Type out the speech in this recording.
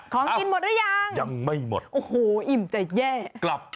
ของกินหมดหรือยังยังไม่หมดโอ้โหอิ่มจะแย่กลับ